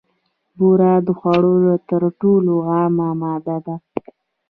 بوره د خوږو تر ټولو عامه ماده ده.